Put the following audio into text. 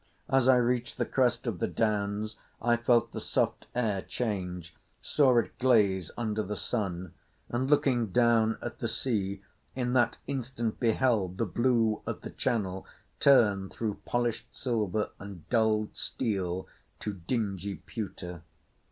As I reached the crest of the Downs I felt the soft air change, saw it glaze under the sun; and, looking down at the sea, in that instant beheld the blue of the Channel turn through polished silver and dulled steel to dingy pewter.